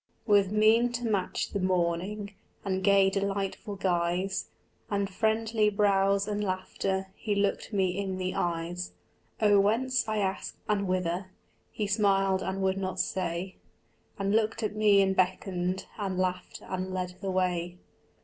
With mien to match the morning And gay delightful guise And friendly brows and laughter He looked me in the eyes. Oh whence, I asked, and whither? He smiled and would not say, And looked at me and beckoned And laughed and led the way.